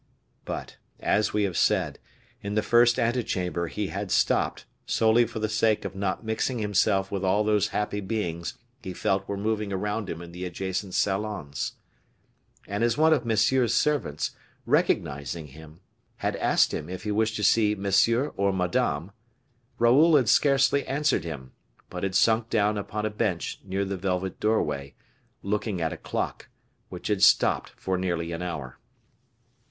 But, as we have said, in the first ante chamber he had stopped, solely for the sake of not mixing himself with all those happy beings he felt were moving around him in the adjacent salons. And as one of Monsieur's servants, recognizing him, had asked him if he wished to see Monsieur or Madame, Raoul had scarcely answered him, but had sunk down upon a bench near the velvet doorway, looking at a clock, which had stopped for nearly an hour.